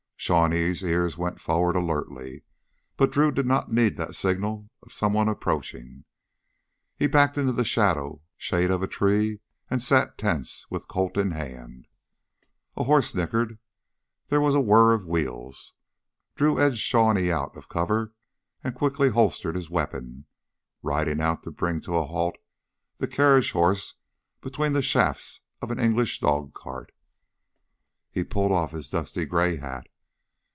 Shawnee's ears went forward alertly, but Drew did not need that signal of someone's approaching. He backed into the shadow shade of a tree and sat tense, with Colt in hand. A horse nickered. There was the whirr of wheels. Drew edged Shawnee out of cover and then quickly holstered his weapon, riding out to bring to a halt the carriage horse between the shafts of an English dogcart. He pulled off his dust grayed hat.